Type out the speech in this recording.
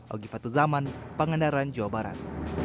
ogifat tuzaman pangandaran jawa barat